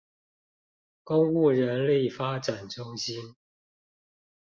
公務人力發展中心